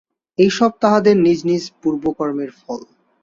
এইসবই তাহাদের নিজ নিজ পূর্বকর্মের ফল।